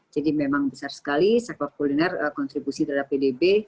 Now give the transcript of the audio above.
jadi memang besar sekali sektor kuliner kontribusi terhadap pdb